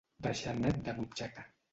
Deixar net de butxaca.